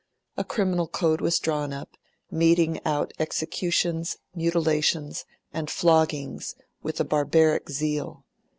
A criminal code was drawn up, meting out executions, mutilations, and floggings with a barbaric zeal.